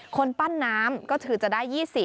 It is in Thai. คนปั้นน้ำก็คือจะได้๒๐